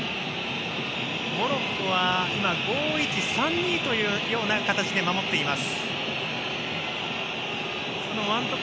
モロッコは５−１−３−２という形で守っています。